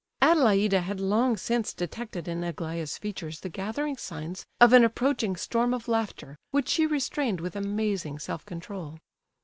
Adelaida had long since detected in Aglaya's features the gathering signs of an approaching storm of laughter, which she restrained with amazing self control.